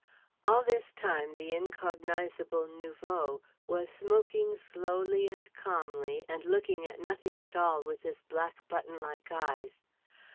All this time the incognizable nouveau was smoking slowly and calmly, and looking at nothing at all with his black buttonlike eyes.